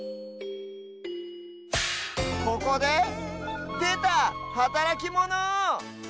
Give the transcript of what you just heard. ここででたはたらきモノ！